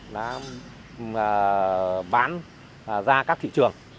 đã bán ra các thị trường